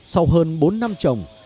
sau hơn bốn năm trồng